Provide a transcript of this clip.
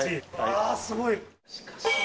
あー、すごい。